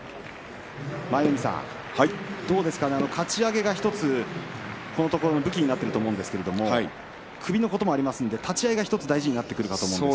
舞の海さん、どうですかかち上げが１つ、このところの武器になっていると思うんですけれども、首のこともありますので、立ち合いが大事になってくると思います。